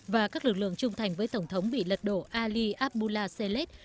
và các lực lượng trung thành với tổng thống bị lật đổ ali abdullah selet